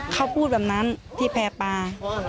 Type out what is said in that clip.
เขาพูดแบบนั้นที่แพร่ปลา